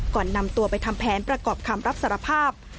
ก่อนนำตัวไปทำแผนประกอบคำรับสารภาพ